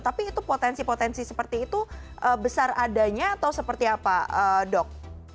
tapi itu potensi potensi seperti itu besar adanya atau seperti apa dok